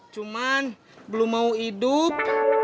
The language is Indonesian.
cuman belum mau hidup